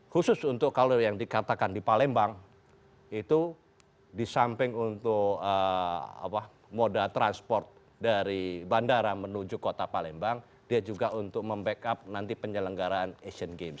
khusus untuk kalau yang dikatakan di palembang itu di samping untuk moda transport dari bandara menuju kota palembang dia juga untuk membackup nanti penyelenggaraan asian games